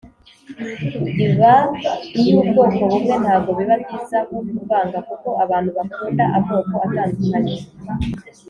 iba iy ubwoko bumwe ntago biba byiza nko kuvanga kuko abantu bakunda amoko atandukanye.